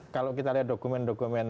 kalau kita lihat dokumen dokumen